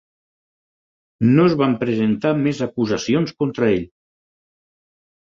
No es van presentar més acusacions contra ell.